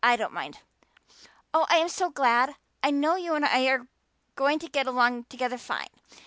I don't mind." "Oh, I'm so glad. I know you and I are going to get along together fine.